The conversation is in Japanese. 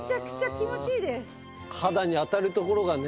気持ちいいよね。